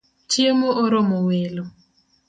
Chiemo oromo welo